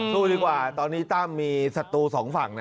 สู้ดีกว่าตอนนี้ตั้มมีศัตรูสองฝั่งนะ